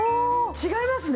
違いますね。